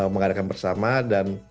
mengadakan bersama dan